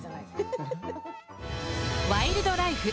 「ワイルドライフ」。